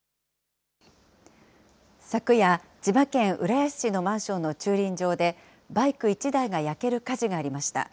昨夜、千葉県浦安市のマンションの駐輪場で、バイク１台が焼ける火事がありました。